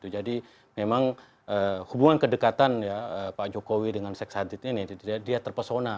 jadi memang hubungan kedekatan pak jokowi dengan syed sadiq ini dia terpesona